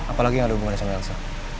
apalagi nggak ada hubungannya sama elsa